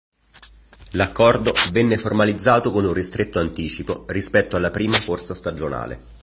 L'accordo venne formalizzato con un ristretto anticipo rispetto alla prima corsa stagionale.